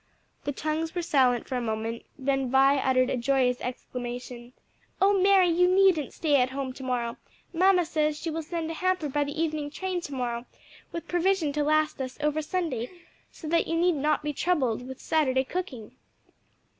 The tongues were silent for a moment; then Vi uttered a joyous exclamation. "O Mary, you needn't stay at home to morrow! mamma says she will send a hamper by the evening train to morrow, with provision to last us over Sunday, so that you need not be troubled with Saturday cooking."